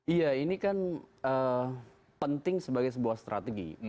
iya ini kan penting sebagai sebuah strategi